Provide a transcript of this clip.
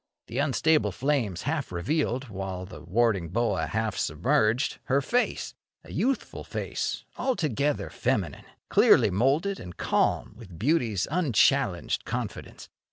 The unstable flames half revealed, while the warding boa half submerged, her face— a youthful face, altogether feminine, clearly moulded and calm with beauty's unchallenged confidence.